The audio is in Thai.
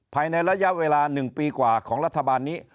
ภายในระยะเวลา๑ปีกว่าของรัฐบาลนี้